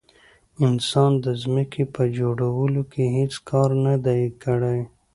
انسان د ځمکې په جوړولو کې هیڅ کار نه دی کړی.